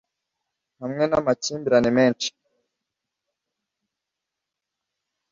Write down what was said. hamwe namakimbirane menshi